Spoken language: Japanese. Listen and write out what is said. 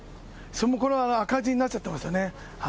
赤字になっちゃってますよね。